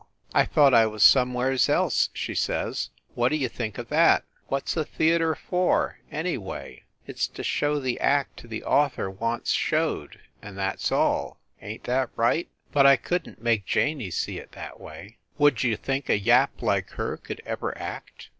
I thought I was somewheres else," she says. What d you think of that! What s a theater for, any THE CAXTON DINING ROOM 175 way ? It s to show the act the author wants showed, and that s all. Ain t that right? But I couldn t make Janey see it that way. Would you think a yap like her could ever act